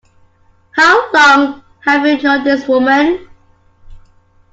How long have you known this woman?